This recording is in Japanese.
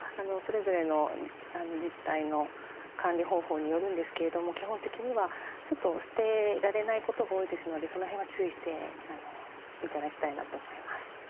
それぞれの自治体の管理方法によるんですけれども基本的にはちょっと捨てられないことが多いですのでその辺は注意して頂きたいなと思います。